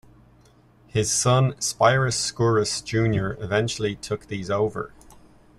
His son Spyros Skouras Junior eventually took these over.